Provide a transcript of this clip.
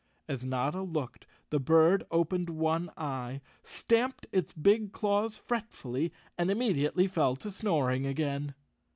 As Notta looked the bird opened one eye, stamped its big claws fretfully, and immediately fell to snoring again.